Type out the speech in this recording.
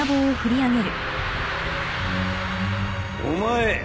お前